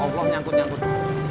ya allah nyangkut nyangkut